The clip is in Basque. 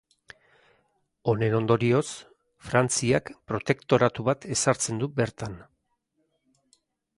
Honen ondorioz Frantziak protektoratu bat ezartzen du bertan.